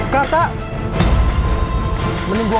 karta menunggu aku